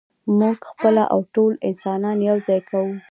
موږ خپله او ټول انسانان یو ځای کوو.